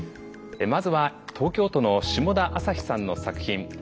まずは東京都の下田朝陽さんの作品